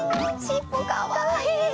尻尾かわいい！